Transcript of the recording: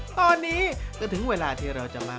ตอนนี้ก็ถึงเวลาที่เราจะมา